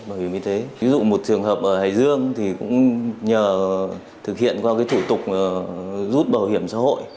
ví dụ một trường hợp ở hải dương cũng nhờ thực hiện qua thủ tục rút bảo hiểm xã hội